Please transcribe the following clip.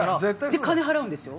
で金払うんですよ。